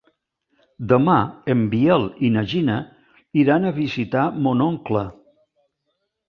Demà en Biel i na Gina iran a visitar mon oncle.